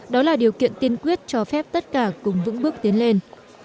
đó là điều kiện tiên quyết cho phép tất cả cùng vững bước tiến lên